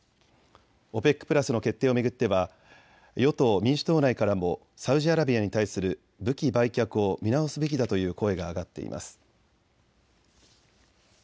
ＯＰＥＣプラスの決定を巡っては与党・民主党内からもサウジアラビアに対する武器売却を見直すべきだという声が上がっています。